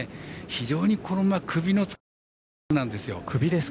非常にこの馬首の使い方が上手なんですよ。